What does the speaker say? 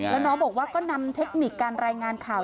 แล้วน้องบอกว่าก็นำเทคนิคการรายงานข่าว